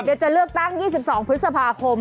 เดี๋ยวจะเลือกตั้ง๒๒พฤษภาคม